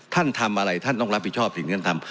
ท่านทำอะไรท่านต้องรับผิดชอบสิ่งที่ท่านทำ